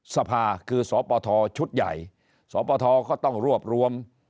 สภาคือสปทชุดใหญ่สปทก็ต้องรวบรวม